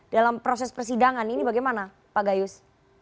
dalam proses persidangan ini bagaimana pak gayus